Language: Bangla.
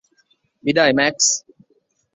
বিদায়, ম্যাক্স।